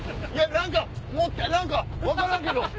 何か何か分からんけど。